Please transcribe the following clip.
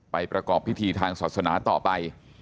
ประกอบพิธีทางศาสนาต่อไป